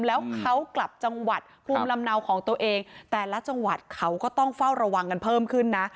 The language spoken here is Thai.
แล้วเขากลับจังหวัดภูมิลำเนาของตัวเองแต่ละจังหวัดเขาก็ต้องเฝ้าระวังกันเพิ่มขึ้นนะ